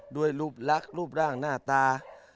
ด้วยรูปลักษณ์รูปร่างหน้าตา